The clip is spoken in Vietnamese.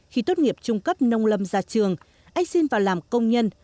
khi tốt nghiệp trung cấp nông lâm ra trường anh xin vào làm công nhân